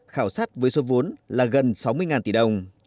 khảo sát với số vốn là gần sáu mươi tỷ đồng